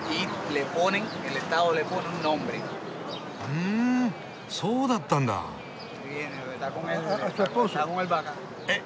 ふんそうだったんだ。えっ？